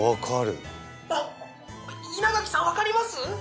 あっ稲垣さん分かります？